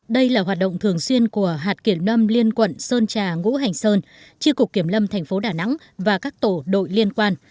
đây là hoạt động thường xuyên của hạt kiểm lâm liên quận sơn trà ngũ hành sơn tri cục kiểm lâm thành phố đà nẵng và các tổ đội liên quan